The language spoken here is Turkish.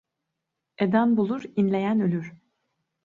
Eden bulur, inleyen ölür.